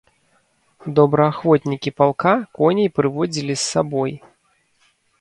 Добраахвотнікі палка коней прыводзілі з сабой.